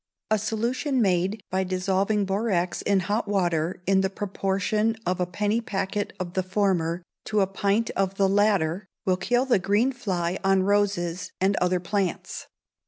A solution made by dissolving borax in hot water in the proportion of a penny packet of the former to a pint of the latter, will kill the green fly on roses, and other plants.